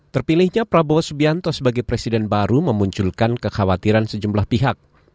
terpilihnya prabowo subianto sebagai presiden baru memunculkan kekhawatiran sejumlah pihak